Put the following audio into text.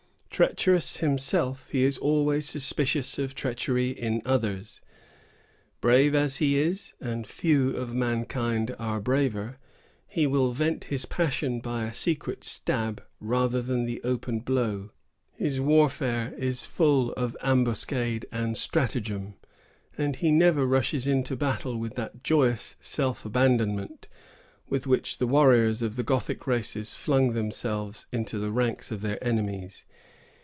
Treacherous himself, he is always suspicious of treachery in others. Brave as he is,——and few of mankind are braver,——he will vent his passion by a secret stab rather than an open blow. His warfare is full of ambuscade and stratagem; and he never rushes into battle with that joyous self abandonment, with which the warriors of the Gothic races flung themselves into the ranks of their enemies.